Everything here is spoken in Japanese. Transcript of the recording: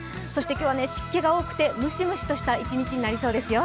今日は湿気が多くてむしむしとした一日になりそうですよ。